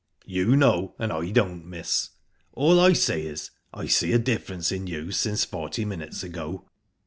"You know and I don't, miss. All I say is, I see a difference in you since forty minutes ago."